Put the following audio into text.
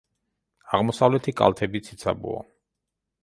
აღმოსავლეთი კალთები ციცაბოა.